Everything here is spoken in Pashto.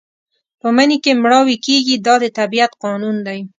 په مني کې مړاوي کېږي دا د طبیعت قانون دی.